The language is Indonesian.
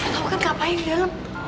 kamu kan ngapain di dalam